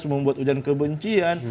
membuat ujar kebencian